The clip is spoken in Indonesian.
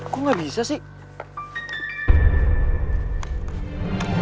kok gak bisa sih